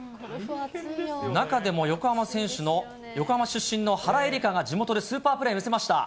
中でも横浜出身の原英莉花が地元でスーパープレーを見せました。